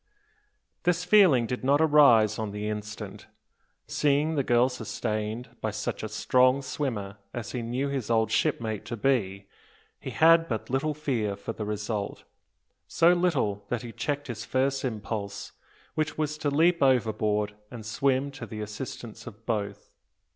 This feeling did not arise on the instant. Seeing the girl sustained by such a strong swimmer as he knew his old shipmate to be, he had but little fear for the result, so little that he checked his first impulse, which was to leap overboard and swim to the assistance of both.